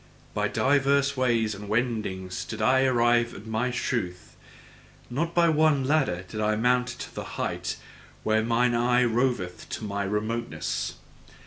By divers ways and wendings did I arrive at my truth; not by one ladder did I mount to the height where mine eye roveth into my remoteness.